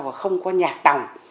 và không có nhạc tỏng